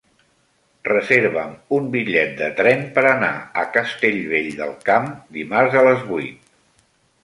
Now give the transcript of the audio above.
Reserva'm un bitllet de tren per anar a Castellvell del Camp dimarts a les vuit.